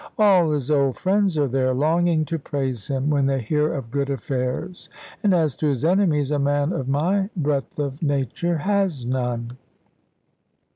All his old friends are there, longing to praise him, when they hear of good affairs; and as to his enemies a man of my breadth of nature has none.